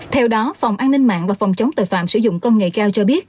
theo đó phòng an ninh mạng và phòng chống tội phạm sử dụng công nghệ cao cho biết